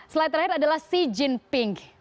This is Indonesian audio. slide terakhir adalah xi jinping